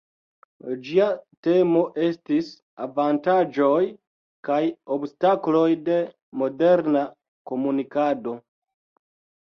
Ĝia temo estis "Avantaĝoj kaj obstakloj de moderna komunikado".